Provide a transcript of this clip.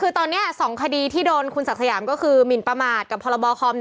คือตอนนี้๒คดีที่โดนคุณศักดิ์สยามก็คือหมินประมาทกับพรบคอม